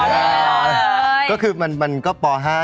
อ๋อเป็นเด็กอ้วนเหรออ๋อเป็นเด็กอ้วนเหรอ